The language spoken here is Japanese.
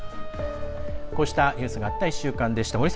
こうしたニュースがあった１週間でした。